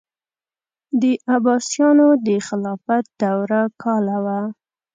د عباسیانو د خلافت دوره کاله وه.